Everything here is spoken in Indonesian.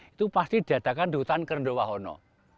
itu pasti diadakan di hutan kerndowahono